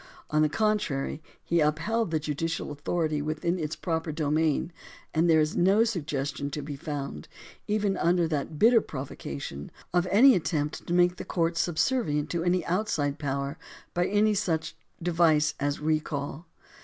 On the con trary, he upheld the judicial authority within its proper domain, and there is no suggestion to be found, even under that bitter provocation, of any attempt to make the courts subservient to any outside power by any such device as a recall.